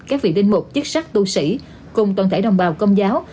các vị linh mục chức sắc tu sĩ cùng toàn thể đồng bào công giáo